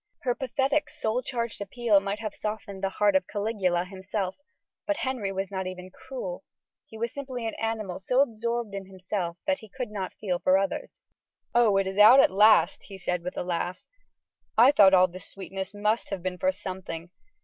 Her pathetic, soul charged appeal might have softened the heart of Caligula himself; but Henry was not even cruel. He was simply an animal so absorbed in himself that he could not feel for others. "Oh! it is out at last," he said, with a laugh. "I thought all this sweetness must have been for something.